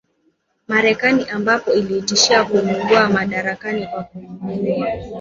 Marekani ambapo ilitishia kumngoa madarakani kwa kumuua